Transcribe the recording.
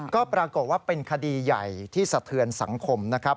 ก็ปรากฏว่าเป็นคดีใหญ่ที่สะเทือนสังคมนะครับ